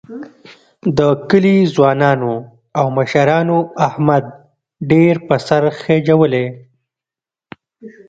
د کلي ځوانانو او مشرانو احمد ډېر په سر خېجولی